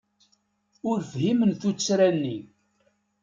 Ur fhimen tuttra-nni.